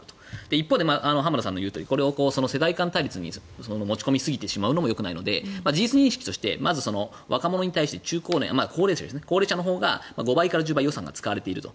一方で浜田さんの言うとおりこれを世代間対立に持ち込みすぎるのもよくないので事実認識として若者に対して高齢者のほうが５倍から１０倍予算が使われていると。